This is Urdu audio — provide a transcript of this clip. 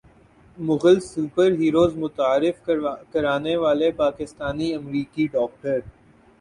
مغل سپر ہیروز متعارف کرانے والے پاکستانی امریکی ڈاکٹر